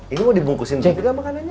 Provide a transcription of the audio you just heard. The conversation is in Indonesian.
ini mau dibungkusin dulu juga makanannya